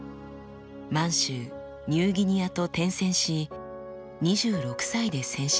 満州ニューギニアと転戦し２６歳で戦死しました。